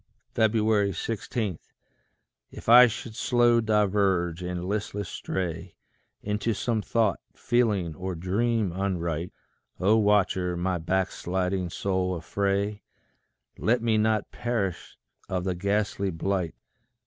16. If I should slow diverge, and listless stray Into some thought, feeling, or dream unright, O Watcher, my backsliding soul affray; Let me not perish of the ghastly blight.